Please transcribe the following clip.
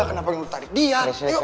kenapa lu tadi ya